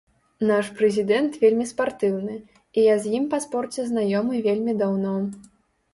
Наш прэзідэнт вельмі спартыўны, і я з ім па спорце знаёмы вельмі даўно.